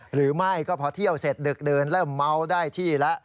หรือไม่ก็พอเที่ยวเสร็จดึกเดินเริ่มเมาได้ที่แล้ว